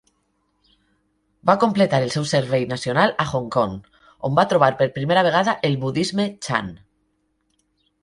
Va completar el seu servei nacional a Hong Kong, on va trobar per primera vegada el budisme Chan.